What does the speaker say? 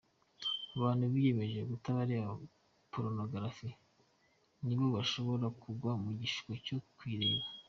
Abantu biyemeje kutareba porunogarafi nabo bashobora kugwa mu gishuko cyo kuyireba.